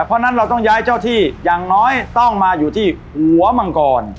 เพราะฉะนั้นเราต้องย้ายเจ้าที่อย่างน้อยต้องมาอยู่ที่หัวมังกร